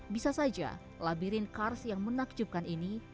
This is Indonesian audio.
bisa saja labirin kars yang menakjubkan ini